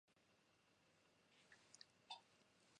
Accor was formerly headquartered in Courcouronnes.